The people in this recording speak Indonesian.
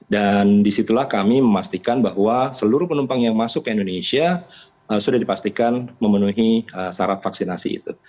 dan disitulah kami memastikan bahwa seluruh penumpang yang masuk ke indonesia sudah dipastikan memenuhi syarat vaksinasi itu